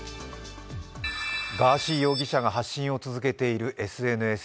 ガーシー容疑者が発信を続けているＳＮＳ。